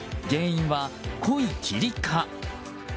原因は濃い霧か。